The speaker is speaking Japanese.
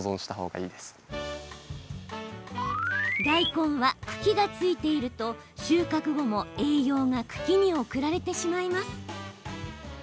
大根は、茎がついていると収穫後も栄養が茎に送られてしまいます。